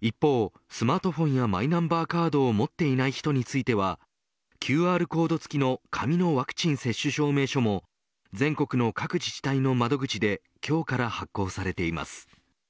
一方、スマートフォンやマイナンバーカードを持っていない人についてはＱＲコード付きの紙のワクチン接種証明書も全国の各自治体の窓口で今日から発行されています。